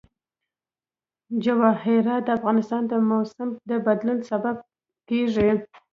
جواهرات د افغانستان د موسم د بدلون سبب کېږي.